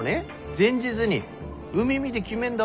前日に海見で決めんだ。